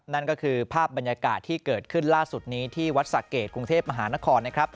นั่นก็คือภาพบรรยากาศที่เกิดขึ้นล่าสุดนี้ที่วัดสะเกดกรุงเทพมหานครนะครับ